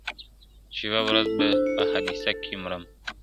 چي یوه ورځ په حادثه کي مرمه ..